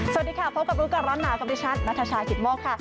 สวัสดีค่ะพบกับรู้ก่อนร้อนหนาวกับดิฉันนัทชายกิตโมกค่ะ